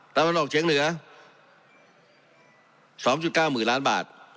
ตะวันออกเฉียงเหนือ๒๙หมื่นล้านบาท